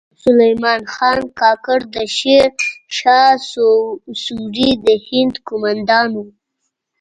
سلیمان خان کاکړ د شیر شاه سوري د هند کومندان و